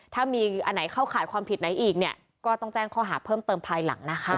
ถ้ามีอันไหนเข้าข่ายความผิดไหนอีกเนี่ยก็ต้องแจ้งข้อหาเพิ่มเติมภายหลังนะคะ